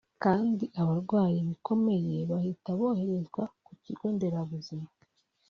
kandi abarwaye bikomeye bahita boherezwa ku kigo nderabuzima